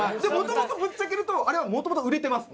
ぶっちゃけるとあれはもともと売れてます。